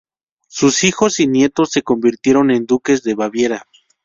Sus hijos y nietos se convirtieron en duques de Baviera.